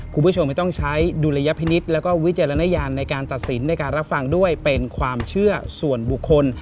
คุณผู้ชมไม่ต้องใช้ดุลยพินิษฐ์แล้วก็วิจารณญาณในการตัดสินในการรับฟังด้วยเป็นความเชื่อส่วนบุคคล